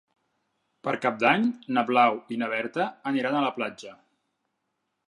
Per Cap d'Any na Blau i na Berta aniran a la platja.